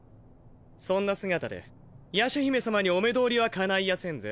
そんな姿で夜叉姫さまにお目通りは叶いやせんぜ。